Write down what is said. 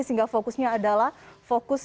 sehingga fokusnya adalah fokus